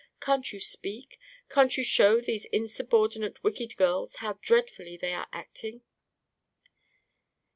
Can't you speak, can't you show these insubordinate, wicked girls how dreadfully they are acting?"